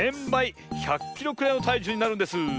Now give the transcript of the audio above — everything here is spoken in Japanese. １００キロくらいのたいじゅうになるんです。